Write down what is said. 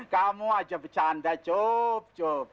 kamu aja bercanda job